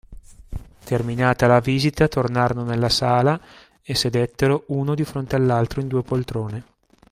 Terminata la visita tornarono nella sala e sedettero uno di fronte all'altro in due poltrone.